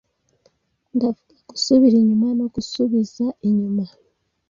Ndavuga gusubira inyuma nogusubiza inyuma,